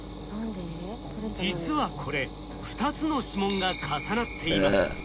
実はこれ２つの指紋が重なっています。